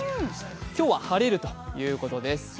今日は晴れるということです。